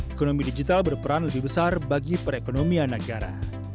ekonomi digital berperan lebih besar bagi perekonomian negara